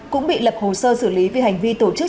cũng bị lập hồ sơ xử lý vì hành vi tổ chức